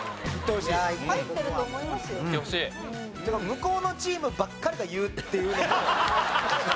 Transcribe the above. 向こうのチームばっかりが言うっていうのも。